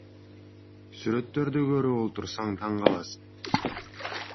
Сүрөттөрдү көрүп олтурсаң таң каласың.